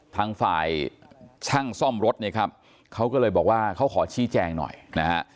ทางฝ่ายช่างซ่อมรถเนี่ยครับเขาก็เลยบอกว่าเขาขอชี้แจงหน่อยนะฮะ